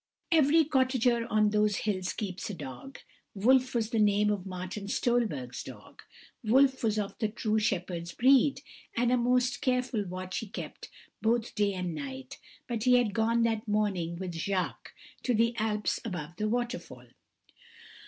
"Every cottager on those hills keeps a dog. Wolf was the name of Martin Stolberg's dog: Wolf was of the true shepherd's breed, and a most careful watch he kept both day and night; but he had gone that morning with Jacques to the Alps above the waterfall.